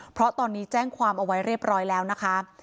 เพราะตอนนี้แจ้งความเอาไว้เรียบร้อยแล้วนะคะ